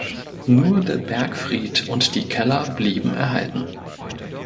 Nur der Bergfried und die Keller blieben erhalten.